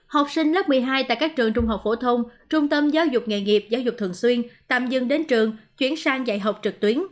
học sinh lớp một mươi hai tại các trường trung học phổ thông trung tâm giáo dục nghề nghiệp giáo dục thường xuyên tạm dừng đến trường chuyển sang dạy học trực tuyến